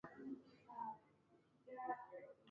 nke onye nọchitere anya ya na mmemme ahụ bụ osote ya